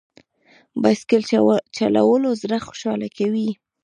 بایسکل چلول زړه خوشحاله کوي.